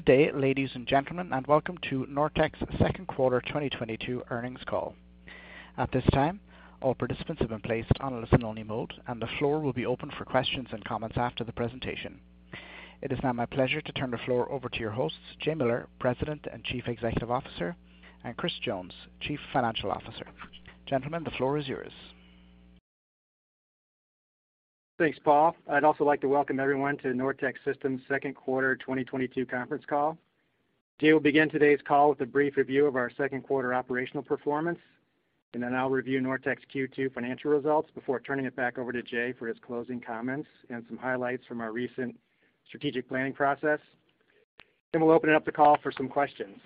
Good day, ladies and gentlemen, and welcome to Nortech's Second Quarter 2022 Earnings Call. At this time, all participants have been placed on a listen only mode, and the floor will be open for questions and comments after the presentation. It is now my pleasure to turn the floor over to your hosts, Jay Miller, President and Chief Executive Officer, and Chris Jones, Chief Financial Officer. Gentlemen, the floor is yours. Thanks, Paul. I'd also like to welcome everyone to Nortech Systems second quarter 2022 conference call. Jay will begin today's call with a brief review of our second quarter operational performance, and then I'll review Nortech's second quarter financial results before turning it back over to Jay for his closing comments and some highlights from our recent strategic planning process. We'll open up the call for some questions.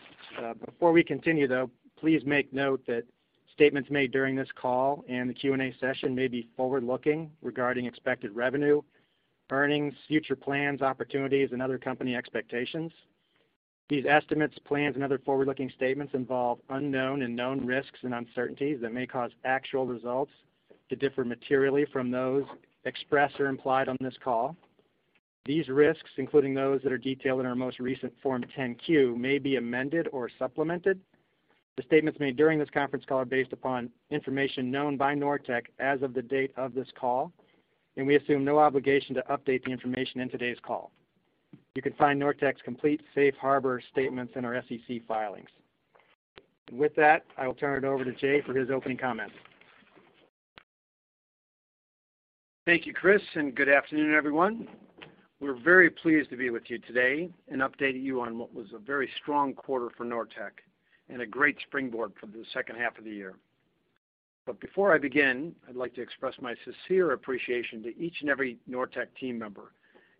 Before we continue, though, please make note that statements made during this call and the Q&A session may be forward-looking regarding expected revenue, earnings, future plans, opportunities, and other company expectations. These estimates, plans, and other forward-looking statements involve unknown and known risks and uncertainties that may cause actual results to differ materially from those expressed or implied on this call. These risks, including those that are detailed in our most recent Form 10-Q, may be amended or supplemented. The statements made during this conference call are based upon information known by Nortech as of the date of this call, and we assume no obligation to update the information in today's call. You can find Nortech's complete safe harbor statements in our SEC filings. With that, I will turn it over to Jay for his opening comments. Thank you, Chris, and good afternoon, everyone. We're very pleased to be with you today and update you on what was a very strong quarter for Nortech and a great springboard for the second half of the year. Before I begin, I'd like to express my sincere appreciation to each and every Nortech team member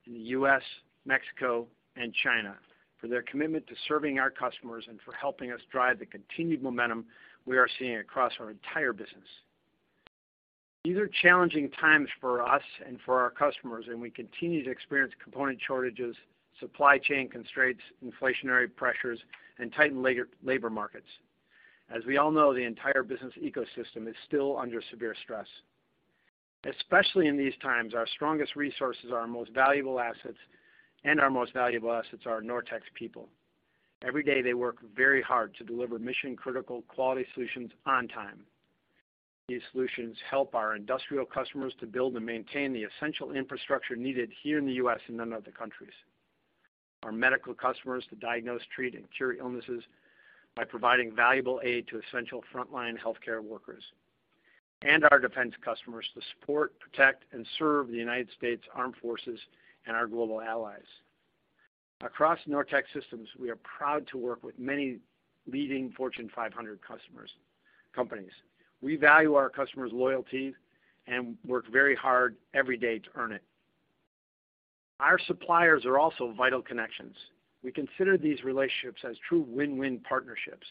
in the US, Mexico, and China for their commitment to serving our customers and for helping us drive the continued momentum we are seeing across our entire business. These are challenging times for us and for our customers, and we continue to experience component shortages, supply chain constraints, inflationary pressures, and tightened labor markets. As we all know, the entire business ecosystem is still under severe stress. Especially in these times, our strongest resources are our most valuable assets, and our most valuable assets are Nortech's people. Every day, they work very hard to deliver mission-critical quality solutions on time. These solutions help our industrial customers to build and maintain the essential infrastructure needed here in the US and in other countries. Our medical customers to diagnose, treat, and cure illnesses by providing valuable aid to essential frontline healthcare workers. Our defense customers to support, protect, and serve the United States Armed Forces and our global allies. Across Nortech Systems, we are proud to work with many leading Fortune 500 customers, companies. We value our customers' loyalty and work very hard every day to earn it. Our suppliers are also vital connections. We consider these relationships as true win-win partnerships.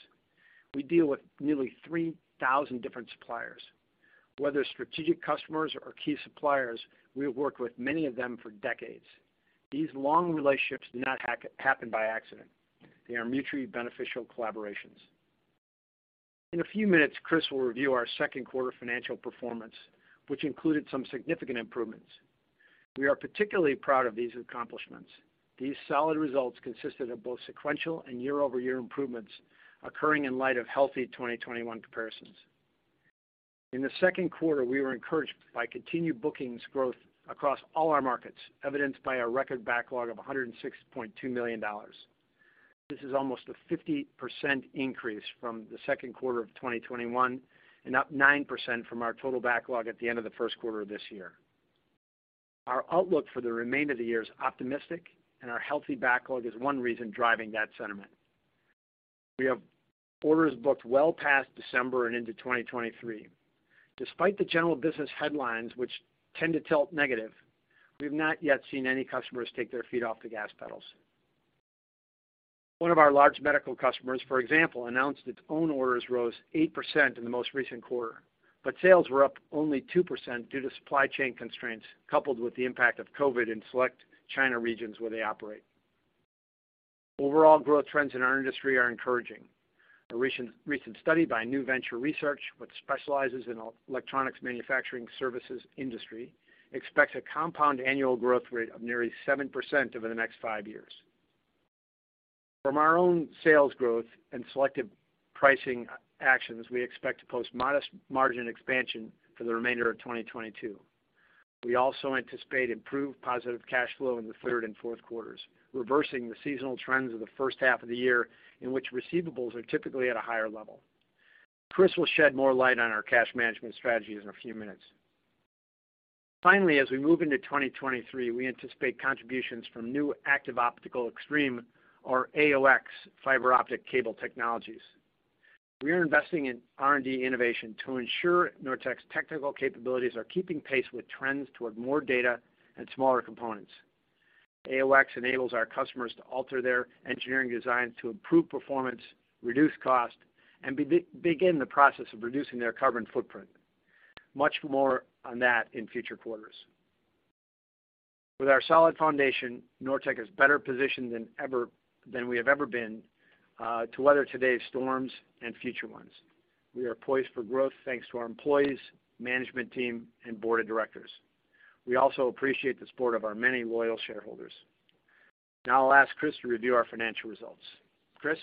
We deal with nearly 3,000 different suppliers. Whether strategic customers or key suppliers, we have worked with many of them for decades. These long relationships do not happen by accident. They are mutually beneficial collaborations. In a few minutes, Chris will review our second quarter financial performance, which included some significant improvements. We are particularly proud of these accomplishments. These solid results consisted of both sequential and year-over-year improvements occurring in light of healthy 2021 comparisons. In the second quarter, we were encouraged by continued bookings growth across all our markets, evidenced by our record backlog of $106.2 million. This is almost a 50% increase from the second quarter of 2021 and up 9% from our total backlog at the end of the first quarter of this year. Our outlook for the remainder of the year is optimistic, and our healthy backlog is one reason driving that sentiment. We have orders booked well past December and into 2023. Despite the general business headlines, which tend to tilt negative, we've not yet seen any customers take their feet off the gas pedals. One of our large medical customers, for example, announced its own orders rose 8% in the most recent quarter, but sales were up only 2% due to supply chain constraints coupled with the impact of COVID in select China regions where they operate. Overall growth trends in our industry are encouraging. A recent study by New Venture Research, which specializes in electronics manufacturing services industry, expects a compound annual growth rate of nearly 7% over the next five years. From our own sales growth and selective pricing actions, we expect to post modest margin expansion for the remainder of 2022. We also anticipate improved positive cash flow in the third and fourth quarters, reversing the seasonal trends of the first half of the year in which receivables are typically at a higher level. Chris will shed more light on our cash management strategies in a few minutes. Finally, as we move into 2023, we anticipate contributions from new Active Optical Xtreme or AOX fiber optic cable technologies. We are investing in R&D innovation to ensure Nortech's technical capabilities are keeping pace with trends toward more data and smaller components. AOX enables our customers to alter their engineering designs to improve performance, reduce cost, and begin the process of reducing their carbon footprint. Much more on that in future quarters. With our solid foundation, Nortech is better positioned than we have ever been to weather today's storms and future ones. We are poised for growth thanks to our employees, management team, and board of directors. We also appreciate the support of our many loyal shareholders. Now I'll ask Chris to review our financial results. Chris?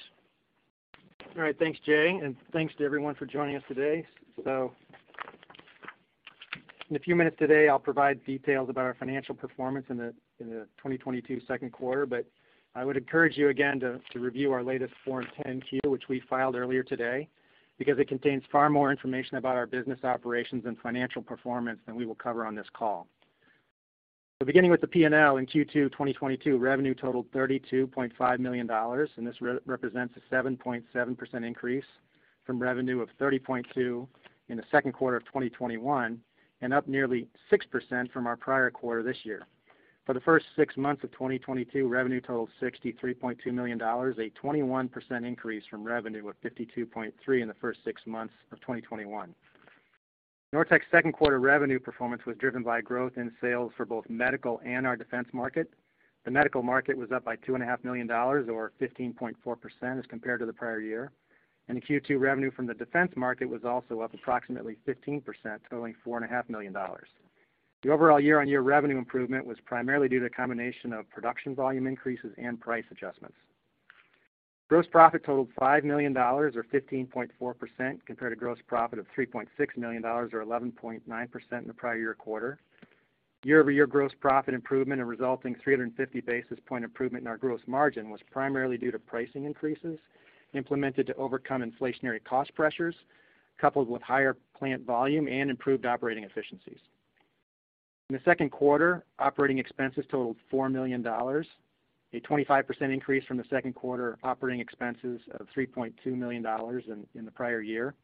All right. Thanks, Jay, and thanks to everyone for joining us today. In a few minutes today, I'll provide details about our financial performance in the 2022 second quarter. I would encourage you again to review our latest Form 10-Q, which we filed earlier today, because it contains far more information about our business operations and financial performance than we will cover on this call. Beginning with the P&L, in second quarter 2022, revenue totaled $32.5 million, and this represents a 7.7% increase from revenue of $30.2 million in the second quarter of 2021 and up nearly 6% from our prior quarter this year. For the first six months of 2022, revenue totaled $63.2 million, a 21% increase from revenue of $52.3 million in the first six months of 2021. Nortech's second quarter revenue performance was driven by growth in sales for both medical and our defense market. The medical market was up by $2.5 million or 15.4% as compared to the prior year. The second quarter revenue from the defense market was also up approximately 15%, totaling $4.5 million. The overall year-on-year revenue improvement was primarily due to a combination of production volume increases and price adjustments. Gross profit totaled $5 million, or 15.4% compared to gross profit of $3.6 million or 11.9% in the prior year quarter. Year-over-year gross profit improvement and resulting 350-basis point improvement in our gross margin was primarily due to pricing increases implemented to overcome inflationary cost pressures, coupled with higher plant volume and improved operating efficiencies. In the second quarter, operating expenses totaled $4 million, a 25% increase from the second quarter operating expenses of $3.2 million in the prior year.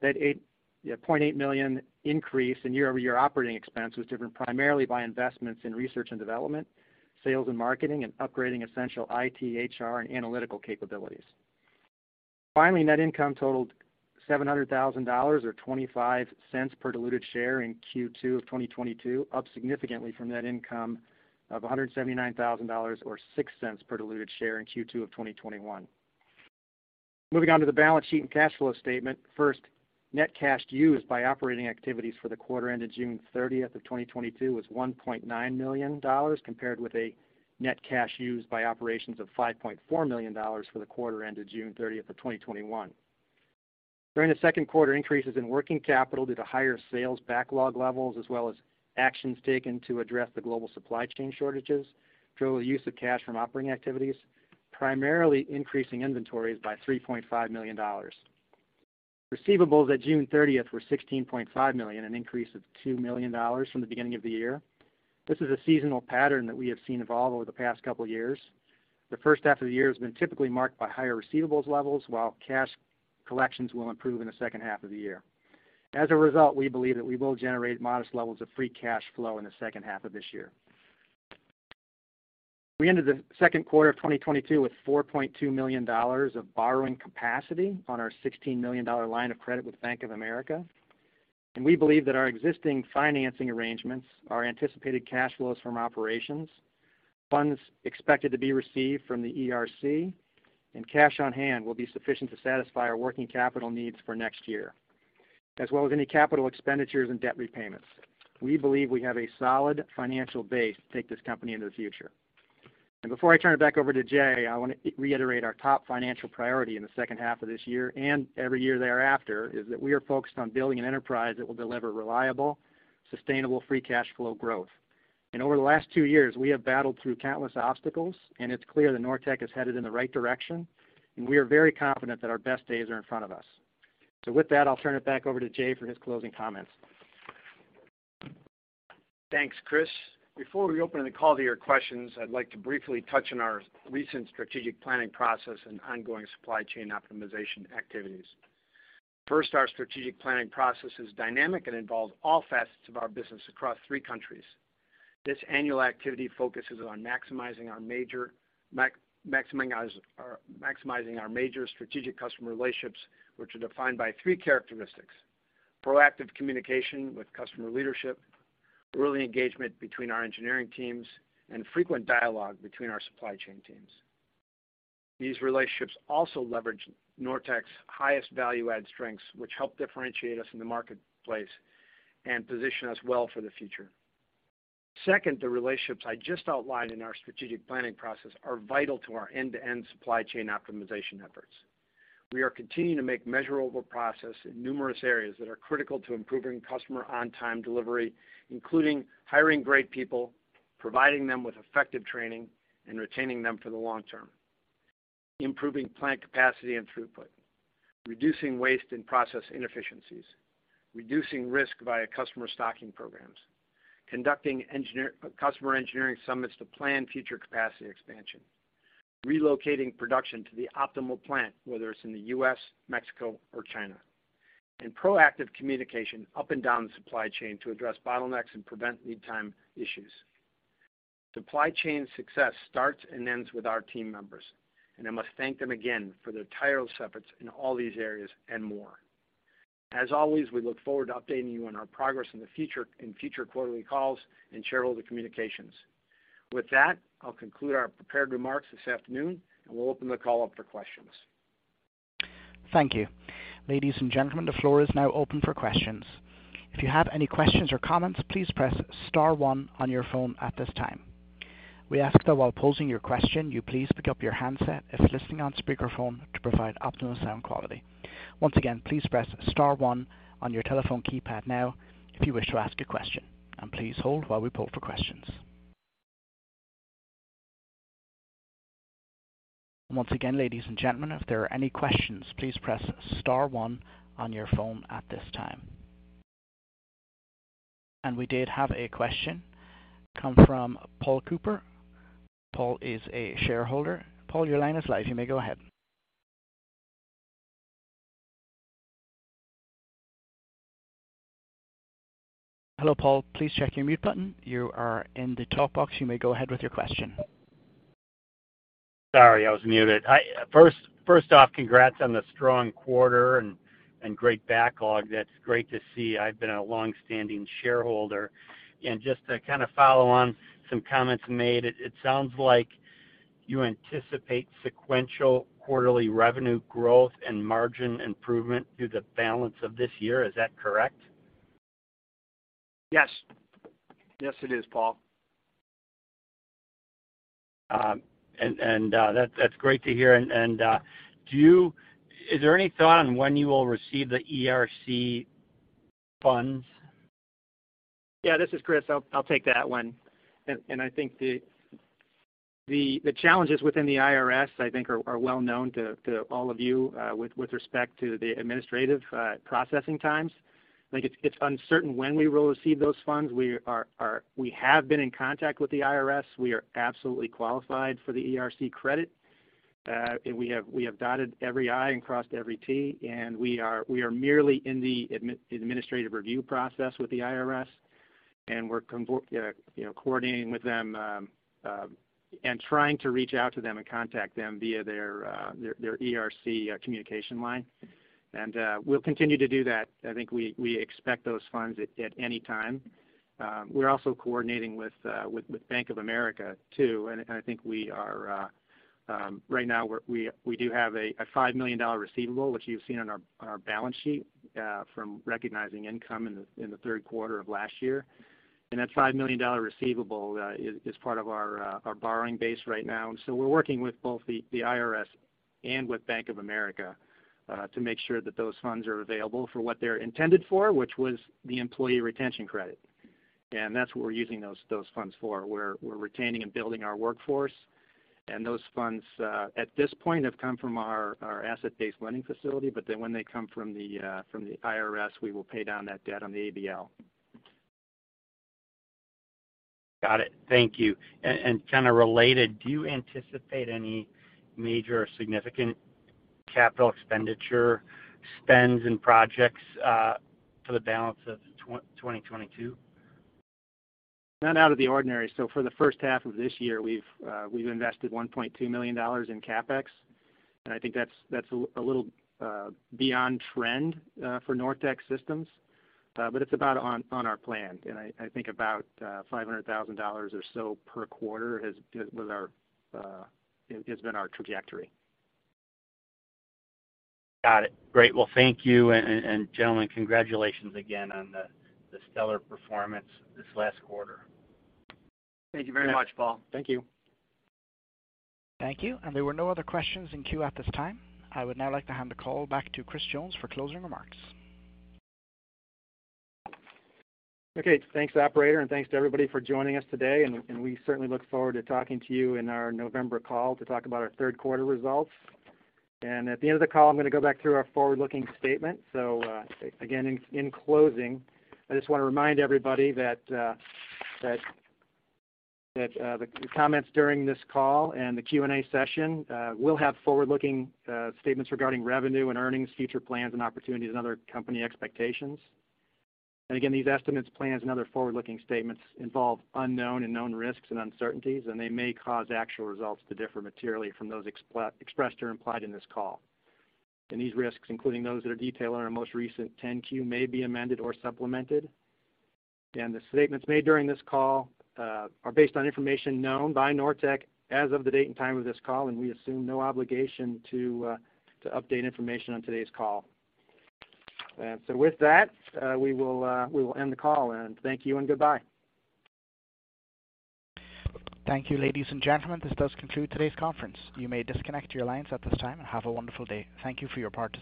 That $0.8 million increase in year-over-year operating expense was driven primarily by investments in research and development, sales and marketing, and upgrading essential IT, HR, and analytical capabilities. Finally, net income totaled $700,000 or $0.25 per diluted share in second quarter of 2022, up significantly from net income of $179,000 or $0.06 per diluted share in second quarter of 2021. Moving on to the balance sheet and cash flow statement. First, net cash used by operating activities for the quarter ended 30 June 2022 was $1.9 million, compared with a net cash used by operations of $5.4 million for the quarter ended 30 June 2021. During the second quarter, increases in working capital due to higher sales backlog levels as well as actions taken to address the global supply chain shortages drove the use of cash from operating activities, primarily increasing inventories by $3.5 million. Receivables at 30 June 2022 were $16.5 million, an increase of $2 million from the beginning of the year. This is a seasonal pattern that we have seen evolve over the past couple years. The first half of the year has been typically marked by higher receivables levels, while cash collections will improve in the second half of the year. As a result, we believe that we will generate modest levels of free cash flow in the second half of this year. We ended the second quarter of 2022 with $4.2 million of borrowing capacity on our $16 million line of credit with Bank of America, and we believe that our existing financing arrangements, our anticipated cash flows from operations, funds expected to be received from the ERC, and cash on hand will be sufficient to satisfy our working capital needs for next year, as well as any capital expenditures and debt repayments. We believe we have a solid financial base to take this company into the future. Before I turn it back over to Jay, I want to reiterate our top financial priority in the second half of this year and every year thereafter, is that we are focused on building an enterprise that will deliver reliable, sustainable free cash flow growth. Over the last two years, we have battled through countless obstacles, and it's clear that Nortech is headed in the right direction, and we are very confident that our best days are in front of us. With that, I'll turn it back over to Jay for his closing comments. Thanks, Chris. Before we open the call to your questions, I'd like to briefly touch on our recent strategic planning process and ongoing supply chain optimization activities. First, our strategic planning process is dynamic and involves all facets of our business across three countries. This annual activity focuses on maximizing our major strategic customer relationships, which are defined by three characteristics. Proactive communication with customer leadership, early engagement between our engineering teams, and frequent dialogue between our supply chain teams. These relationships also leverage Nortech's highest value add strengths, which help differentiate us in the marketplace and position us well for the future. Second, the relationships I just outlined in our strategic planning process are vital to our end-to-end supply chain optimization efforts. We are continuing to make measurable progress in numerous areas that are critical to improving customer on-time delivery, including hiring great people, providing them with effective training, and retaining them for the long term. Improving plant capacity and throughput. Reducing waste and process inefficiencies. Reducing risk via customer stocking programs. Conducting customer engineering summits to plan future capacity expansion. Relocating production to the optimal plant, whether it's in the US, Mexico, or China. Proactive communication up and down the supply chain to address bottlenecks and prevent lead time issues. Supply chain success starts and ends with our team members, and I must thank them again for their tireless efforts in all these areas and more. As always, we look forward to updating you on our progress in future quarterly calls and shareholder communications. With that, I'll conclude our prepared remarks this afternoon, and we'll open the call up for questions. Thank you. Ladies and gentlemen, the floor is now open for questions. If you have any questions or comments, please press star one on your phone at this time. We ask that while posing your question, you please pick up your handset if listening on speakerphone to provide optimal sound quality. Once again, please press star one on your telephone keypad now if you wish to ask a question. Please hold while we poll for questions. Once again, ladies and gentlemen, if there are any questions, please press star one on your phone at this time. We did have a question come from Paul Cooper. Paul is a shareholder. Paul, your line is live. You may go ahead. Hello, Paul. Please check your mute button. You are in the talk box. You may go ahead with your question. Sorry, I was muted. First off, congrats on the strong quarter and great backlog. That's great to see. I've been a long-standing shareholder. Just to kind of follow on some comments made, it sounds like you anticipate sequential quarterly revenue growth and margin improvement through the balance of this year. Is that correct? Yes. Yes, it is, Paul. That's great to hear. Is there any thought on when you will receive the ERC funds? Yeah, this is Chris. I'll take that one. I think the challenges within the IRS I think are well known to all of you with respect to the administrative processing times. Like it's uncertain when we will receive those funds. We have been in contact with the IRS. We are absolutely qualified for the ERC credit. We have dotted every I and crossed every T, and we are merely in the administrative review process with the IRS, and we're, you know, coordinating with them and trying to reach out to them and contact them via their ERC communication line. We'll continue to do that. I think we expect those funds at any time. We're also coordinating with Bank of America too. I think right now we do have a $5 million receivable, which you've seen on our balance sheet from recognizing income in the third quarter of last year. That $5 million receivable is part of our borrowing base right now. We're working with both the IRS and with Bank of America to make sure that those funds are available for what they're intended for, which was the employee retention credit. That's what we're using those funds for. We're retaining and building our workforce. Those funds at this point have come from our asset-based lending facility. When they come from the IRS, we will pay down that debt on the ABL. Got it. Thank you. Kind of related, do you anticipate any major or significant capital expenditure spends and projects for the balance of 2022? None out of the ordinary. For the first half of this year, we've invested $1.2 million in CapEx. I think that's a little beyond trend for Nortech Systems. It's about on our plan. I think about $500,000 or so per quarter has been our trajectory. Got it. Great. Well, thank you. Gentlemen, congratulations again on the stellar performance this last quarter. Thank you very much, Paul. Thank you. Thank you. There were no other questions in queue at this time. I would now like to hand the call back to Chris Jones for closing remarks. Okay. Thanks, operator, and thanks to everybody for joining us today, and we certainly look forward to talking to you in our November call to talk about our third quarter results. At the end of the call, I'm gonna go back through our forward-looking statement. Again, in closing, I just want to remind everybody that the comments during this call and the Q&A session will have forward-looking statements regarding revenue and earnings, future plans and opportunities and other company expectations. Again, these estimates, plans and other forward-looking statements involve unknown and known risks and uncertainties, and they may cause actual results to differ materially from those expressed or implied in this call. These risks, including those that are detailed in our most recent Form 10-Q, may be amended or supplemented. The statements made during this call are based on information known by Nortech as of the date and time of this call, and we assume no obligation to update information on today's call. With that, we will end the call and thank you and goodbye. Thank you, ladies and gentlemen. This does conclude today's conference. You may disconnect your lines at this time. Have a wonderful day. Thank you for your participation.